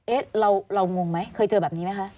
เอ๊ะเรางงไหมเคยเจอแบบนี้ไหมคะ